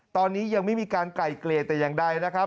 ตอนนี้ยังไม่มีการไกลเกรดแต่ยังได้นะครับ